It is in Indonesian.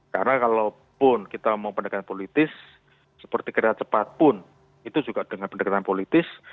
karena kalau pun kita mau pendekatan politis seperti kereta cepat pun itu juga dengan pendekatan politis